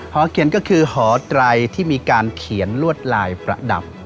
หอเขียนก็คือหอไตรที่มีการเขียนลวดลายประดับ